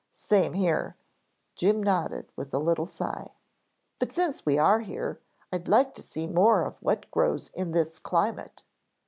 "Same here," Jim nodded with a little sigh. "But since we are here I'd like to see more of what grows in this climate.